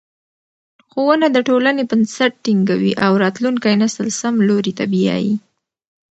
ښوونه د ټولنې بنسټ ټینګوي او راتلونکی نسل سم لوري ته بیايي.